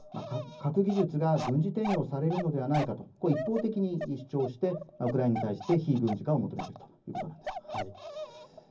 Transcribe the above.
こうしたことからもロシアは核技術が軍事転用されるのではないかと一方的に主張してウクライナに対して非軍事化を求めているということなんです。